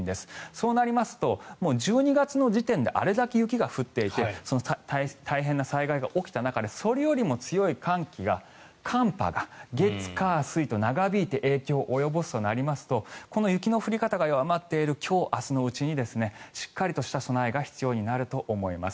そうなりますと１２月の時点であれだけ雪が降っていて大変な災害が起きた中でそれよりも強い寒気、寒波が月火水と長引いて影響を及ぼすとなりますとこの雪の降り方が弱まっている今日明日のうちにしっかりとした備えが必要になると思います。